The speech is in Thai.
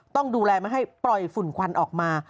ต้องดูแลไม่ให้ปล่อยฝุ่นควันออกมา